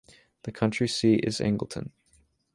The county seat is Angleton.